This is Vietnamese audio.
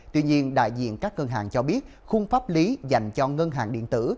tuy nhiên đại diện các ngân hàng cho biết khung pháp lý dành cho ngân hàng điện tử